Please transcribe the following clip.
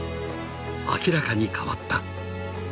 ［明らかに変わった］